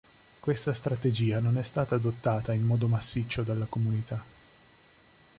Questa strategia non è stata adottata in modo massiccio dalla comunità.